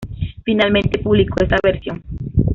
Finalmente publicó esta versión.